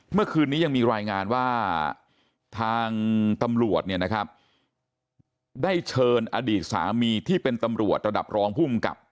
เมื่อคืนนี้ยังมีรายงานว่าทางตำรวจเนี่ยนะครับได้เชิญอดีตสามีที่เป็นตำรวจระดับรองภูมิกับ